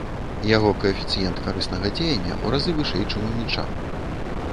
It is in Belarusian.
Яго каэфіцыент карыснага дзеяння ў разы вышэй, чым у мінчан.